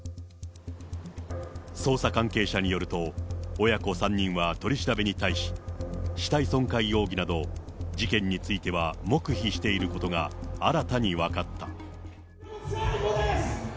捜査関係者によると、親子３人は取り調べに対し、死体損壊容疑など、事件については黙秘していることが、新たに分かった。